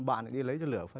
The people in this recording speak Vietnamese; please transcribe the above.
bạn lại đi lấy cho lửa phân